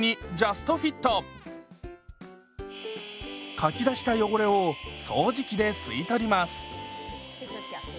かき出した汚れを掃除機で吸い取ります。